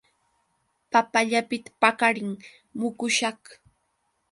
Papa llapita paqarin mukushaq.